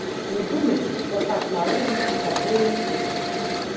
Не думалі, што так марудна і павольна пойдуць.